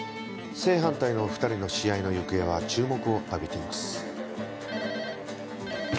正反対の２人の試合の行方は注目を浴びています。